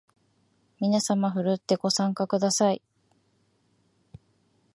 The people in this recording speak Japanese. みなさまふるってご参加ください